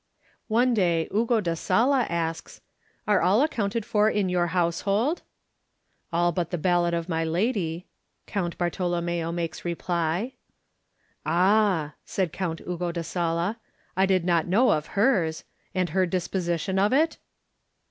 One day Ugo da Sala asks, "Are all ac counted for in your household?" "All but the ballot of my lady," Count Bartolommeo makes reply. "Ah!" said Count Ugo da Sala, *^I did not know of hers. And her disposition of it?"